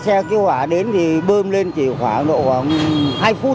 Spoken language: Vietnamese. hai xe cứu hỏa đến thì bơm lên chỉ khoảng độ khoảng hai phút